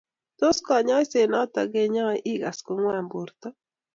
Tos, kanyoiset noto konyae igas kongwan borto?